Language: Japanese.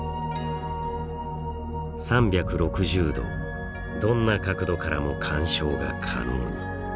３６０度どんな角度からも鑑賞が可能に。